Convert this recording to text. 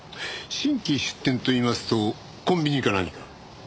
新規出店といいますとコンビニか何か？